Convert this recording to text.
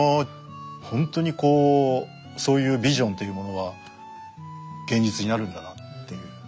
ほんとにこうそういうビジョンというものは現実になるんだなっていう。